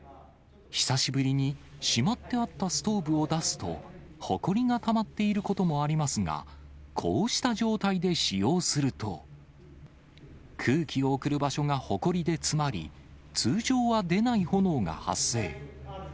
久しぶりに、しまってあったストーブを出すと、ほこりがたまっていることもありますが、こうした状態で使用すると、空気を送る場所がほこりで詰まり、通常は出ない炎が発生。